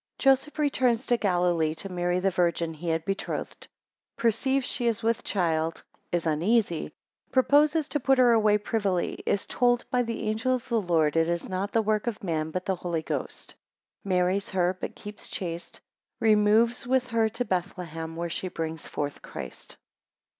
1 Joseph returns to Galilee, to marry the Virgin he had betrothed; 4 perceives she is with child, 5 is uneasy, 7 purposes to put her away privily, 8 is told by the angel of the Lord it is not the work of man but the Holy Ghost; 12 Marries her, but keeps chaste, 13 removes with her to Bethlehem, 15 where she brings forth Christ.